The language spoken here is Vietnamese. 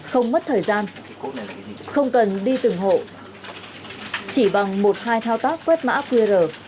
không mất thời gian không cần đi từng hộ chỉ bằng một hai thao tác quét mã qr